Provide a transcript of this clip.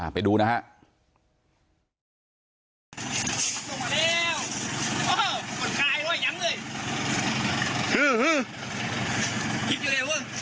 ไปดูนะฮะ